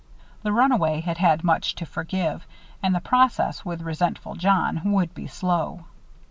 The runaway had had much to forgive, and the process, with resentful John, would be slow.